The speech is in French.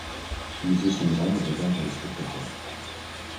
Les yeux sont grands et regardent vers le spectateur.